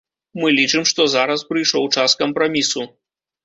Мы лічым, што зараз прыйшоў час кампрамісу.